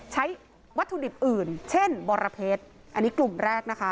ใช้วัตถุดิบอื่นเช่นบรเพชร